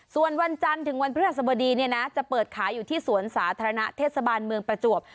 ส่วนวันจันทร์ถึงวันพฤหัสบดีเนี่ยนะจะเปิดขายอยู่ที่สวนสาธารณะเทศบาลเมืองประจวบ